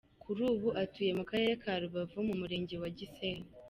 Kuri ubu atuye mu Karere ka Rubavu mu Murenge wa Gisenyi.